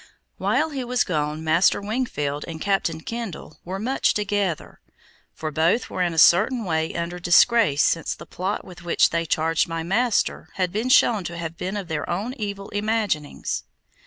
While he was gone, Master Wingfield and Captain Kendall were much together, for both were in a certain way under disgrace since the plot with which they charged my master had been shown to have been of their own evil imaginings.